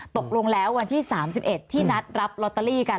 ตกลงแล้ววันที่๓๑ที่นัดรับลอตเตอรี่กัน